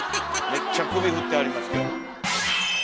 めっちゃ首振ってはりますけど。